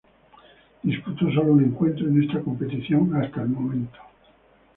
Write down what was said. Disputó solo un encuentro en esta competición hasta el momento.